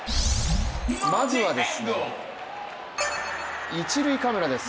まずは、一塁カメラです。